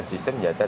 ini untuk apa